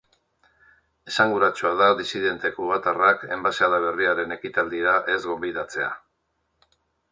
Esanguratsua da disidente kubatarrak enbaxada berriaren ekitaldira ez gonbidatzea.